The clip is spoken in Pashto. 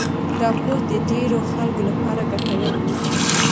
دا پوسټ د ډېرو خلکو لپاره ګټور و.